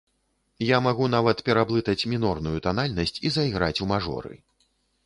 Я магу нават пераблытаць мінорную танальнасць і заіграць у мажоры.